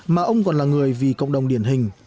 mà ông còn là người vì cộng đồng điển hình